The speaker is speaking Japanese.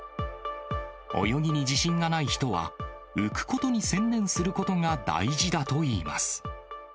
泳ぎに自信がない人は、浮くことに専念することが大事だといいます。